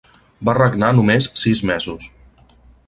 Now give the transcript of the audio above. Va regnar només sis mesos.